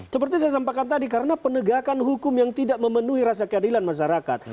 seperti saya sampaikan tadi karena penegakan hukum yang tidak memenuhi rasa keadilan masyarakat